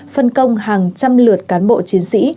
phân công hàng trăm lượt cán bộ chiến sĩ